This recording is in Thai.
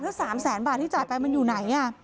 แล้ว๓แสนบาทที่จ่ายไปมันอยู่ไหน